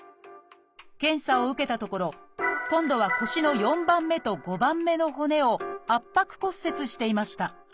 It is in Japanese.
検査を受けたところ今度は腰の４番目と５番目の骨を圧迫骨折していました。